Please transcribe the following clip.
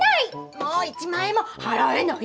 もう、１万円も払えない！